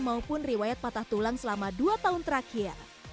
maupun riwayat patah tulang selama dua tahun terakhir